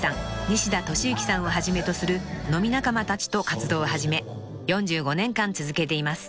西田敏行さんをはじめとする飲み仲間たちと活動を始め４５年間続けています］